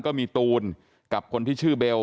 ก็มีตูนกับคนที่ชื่อเบล